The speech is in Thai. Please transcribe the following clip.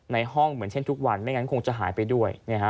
ในห้องเหมือนเช่นทุกวันไม่งั้นคงจะหายไปด้วย